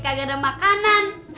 kagak ada makanan